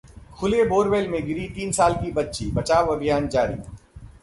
खुले बोरवेल में गिरी तीन साल की बच्ची, बचाव अभियान जारी